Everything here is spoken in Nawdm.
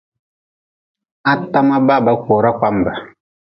Atama baba kora kpambe.